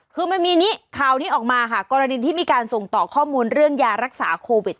คือมันมีข่าวนี้ออกมาค่ะกรณีที่มีการส่งต่อข้อมูลเรื่องยารักษาโควิด